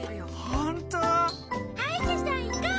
ほんとう！？はいしゃさんいこう！